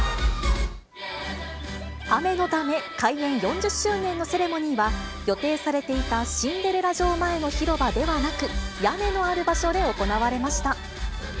雨のため、開園４０周年のセレモニーは、予定されていたシンデレラ城前の広場ではなく、屋根のある場所で行われました。